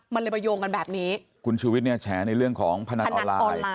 มันเลยมาโยงกันแบบนี้คุณชูวิทย์เนี่ยแฉในเรื่องของพนันออนไลน์